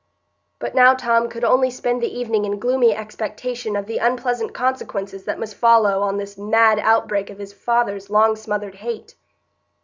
But now Tom could only spend the evening in gloomy expectation of the unpleasant consequences that must follow on this mad outbreak of his father's long smothered hate.